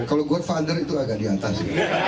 kalau godfather itu agak di atas